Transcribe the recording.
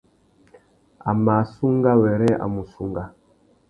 A mà assunga wêrê a mù sunga.